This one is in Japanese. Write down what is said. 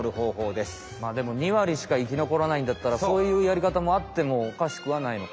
でも２割しか生き残らないんだったらそういうやりかたもあってもおかしくはないのか。